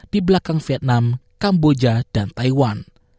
di belakang vietnam kamboja dan taiwan